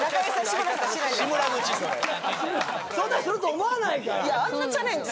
そんなすると思わないから。